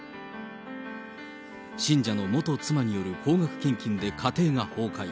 信者の元妻による高額献金で家庭が崩壊。